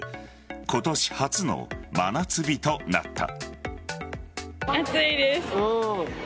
今年初の真夏日となった。